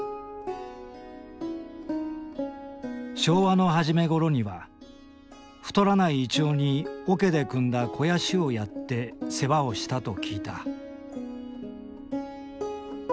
昭和の初め頃には太らない銀杏におけでくんだ肥やしをやって世話をしたと聞いた。